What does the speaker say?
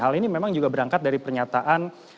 hal ini memang juga berangkat dari pernyataan